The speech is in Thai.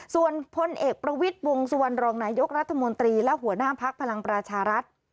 ส่วนพลเอกประวิทย์วงสุวรรณรองนายกรัฐมนตรีและหัวหน้าพักพลังประชารัฐ